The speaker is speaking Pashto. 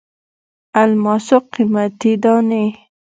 الماسو قیمتي دانې.